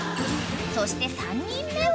［そして３人目は？］